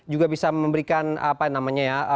juga bisa memberikan apa namanya ya